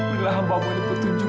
berikan hamba muncul yang benar